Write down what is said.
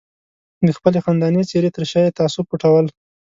د خپلې خندانې څېرې تر شا یې تعصب پټول.